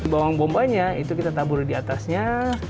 bawang bombanya itu kita tabur di atasnya